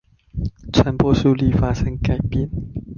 傳播速率發生改變